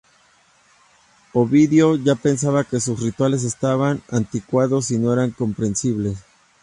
Ovidio ya pensaba que sus rituales estaban anticuados y no eran comprensibles.